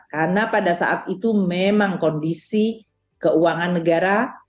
karena pada saat itu memang kondisi keuangan negara